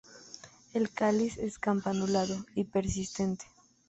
El cáliz es campanulado y persistente.